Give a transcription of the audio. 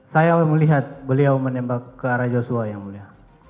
saya melihat beliau menembak ke arah joshua yang mulia